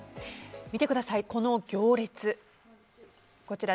見てください、この行列。